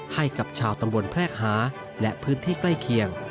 ให้กับชาวตำบลแพรกหาและพื้นที่ใกล้เคียง